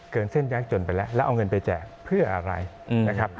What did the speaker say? เส้นยากจนไปแล้วแล้วเอาเงินไปแจกเพื่ออะไรนะครับ